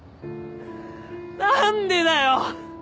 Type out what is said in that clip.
何でだよ。